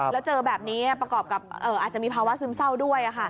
แล้วเจอแบบนี้ประกอบกับอาจจะมีภาวะซึมเศร้าด้วย